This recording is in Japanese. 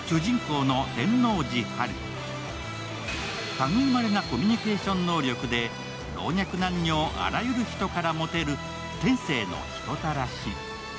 たぐいまれなコミュニケーション能力で老若男女あらゆる人からモテる天性の人たらし。